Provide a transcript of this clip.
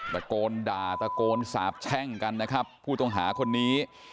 ตะโกนด่าตะโกนสาบแช่งกันพูดต้องหาคนนี้